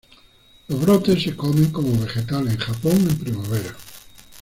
Los brotes se comen como vegetal en Japón en primavera.